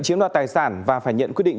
chiếm đoạt tài sản và phải nhận quyết định